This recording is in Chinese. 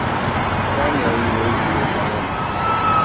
该庙宇位于日月潭国家风景区范围内。